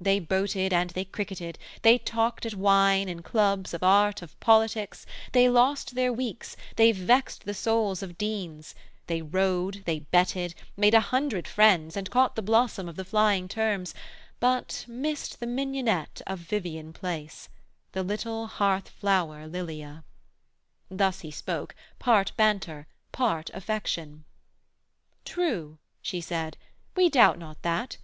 They boated and they cricketed; they talked At wine, in clubs, of art, of politics; They lost their weeks; they vext the souls of deans; They rode; they betted; made a hundred friends, And caught the blossom of the flying terms, But missed the mignonette of Vivian place, The little hearth flower Lilia. Thus he spoke, Part banter, part affection. 'True,' she said, 'We doubt not that.